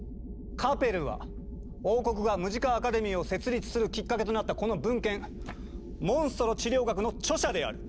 カペルは王国がムジカ・アカデミーを設立するきっかけとなったこの文献「モンストロ治療学」の著者である！